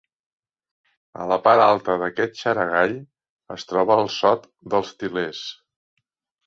A la part alta d'aquest xaragall es troba el Sot dels Til·lers.